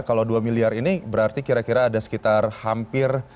kalau dua miliar ini berarti kira kira ada sekitar hampir